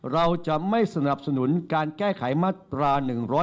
เราจะไม่สนับสนุนการแก้ไขมาตรา๑๑๒